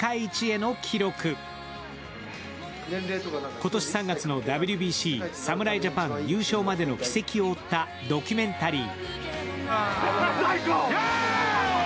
今年３月のＷＢＣ侍ジャパン優勝までの軌跡を追ったドキュメンタリー。